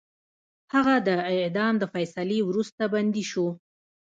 هغه د اعدام د فیصلې وروسته بندي شو.